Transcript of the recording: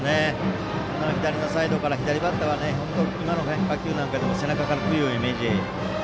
左のサイドから左バッターは本当に、今の打球なんかでも背中からくるイメージ。